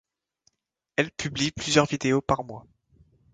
Elle publie plusieurs vidéos par mois.